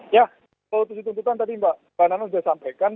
ya kalau tujuh tuntutan tadi mbak nana sudah sampaikan